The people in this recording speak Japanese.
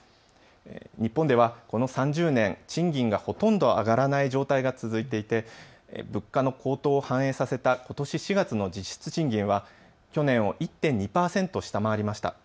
日本ではこの３０年、賃金がほとんど上がらない状態が続いていて物価の高騰を反映させたことし４月の実質賃金は去年を１．２％下回りました。